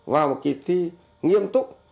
vào một kỳ thi nghiêm túc